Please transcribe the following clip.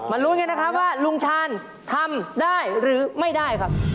ลุ้นกันนะครับว่าลุงชาญทำได้หรือไม่ได้ครับ